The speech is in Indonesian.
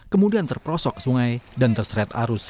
kemudian terprosok sungai dan terseret arus